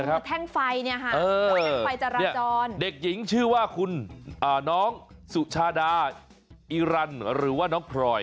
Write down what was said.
พอแท่งไฟเนี่ยค่ะเด็กหญิงชื่อว่าคุณน้องสุชาดาอิรันด์หรือน้องพลอย